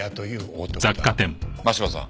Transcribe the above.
真柴さん